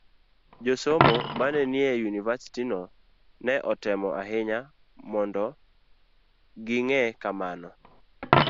Josomo ma ne nie yunivasitino ne otemo ahinya mondo ging'e kama